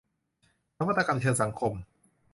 นวัตกรรมเชิงสังคม